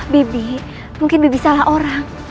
bibi mungkin bibi salah orang